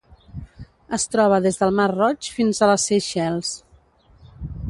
Es troba des del Mar Roig fins a les Seychelles.